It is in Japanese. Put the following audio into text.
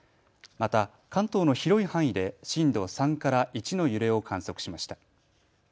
また、関東の広い範囲で震度３から１の揺れを観測しました。